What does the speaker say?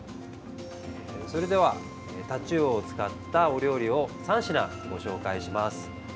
それではタチウオを使ったお料理を３品ご紹介します。